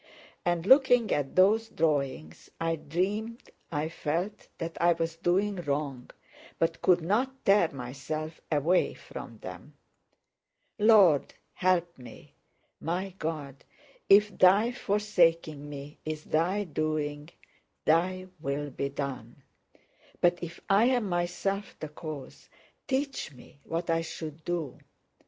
And looking at those drawings I dreamed I felt that I was doing wrong, but could not tear myself away from them. Lord, help me! My God, if Thy forsaking me is Thy doing, Thy will be done; but if I am myself the cause, teach me what I should do!